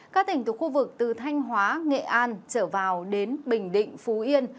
các tỉnh từ khu vực từ thanh hóa nghệ an trở vào đến bình định phú yên